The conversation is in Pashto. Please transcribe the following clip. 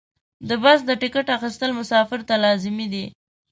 د بس د ټکټ اخیستل مسافر ته لازمي دي.